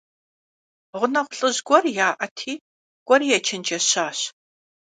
Гъунэгъу лӀыжь гуэр яӀэти, кӀуэри ечэнджэщащ.